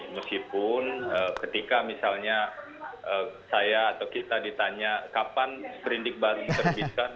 meskipun ketika misalnya saya atau kita ditanya kapan perindik baru diterbitkan